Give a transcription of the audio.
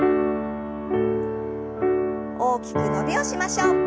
大きく伸びをしましょう。